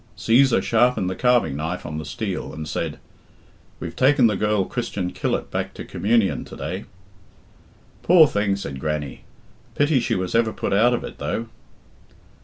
Cæsar sharpened the carving knife on the steel, and said, "We've taken the girl Christian Killip back to communion to day." "Poor thing," said Grannie, "pity she was ever put out of it, though."